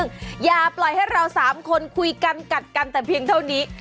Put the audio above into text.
ซึ่งอย่าปล่อยให้เรา๓คนคุยกันกัดกันแต่เพียงเท่านี้